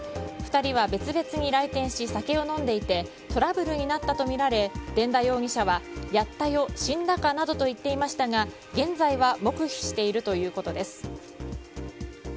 ２人は別々に来店し酒を飲んでいてトラブルになったとみられ伝田容疑者はやったよ、死んだかなどと言っていましたが現在は黙秘しているということです。